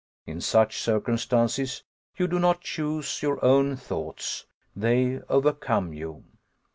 In such circumstances you do not choose your own thoughts. They overcome you.